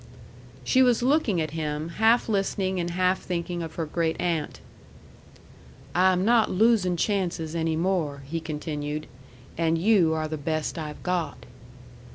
She was looking at him, half listening and half thinking of her great aunt. "I am not losing chances any more," he continued. "And you are the best I've got."